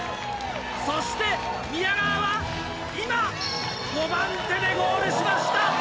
そして宮川は今５番手でゴールしました！